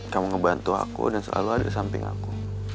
kamu ngebantu aku dan selalu ada di samping aku